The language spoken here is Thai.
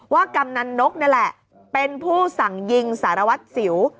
กำนันนกนี่แหละเป็นผู้สั่งยิงสารวัตรสิว